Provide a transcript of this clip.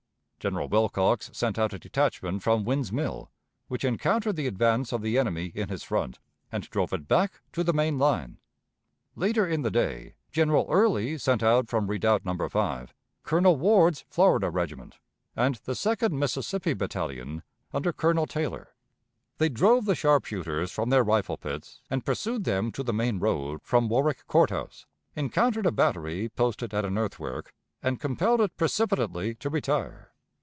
General Wilcox sent out a detachment from Wynne's Mill which encountered the advance of the enemy in his front and drove it back to the main line. Later in the day General Early sent out from Redoubt No. 5 Colonel Ward's Florida regiment and the Second Mississippi Battalion, under Colonel Taylor. They drove the sharpshooters from their rifle pits and pursued them to the main road from Warwick Court House, encountered a battery posted at an earthwork, and compelled it precipitately to retire.